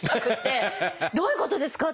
どういうことですか？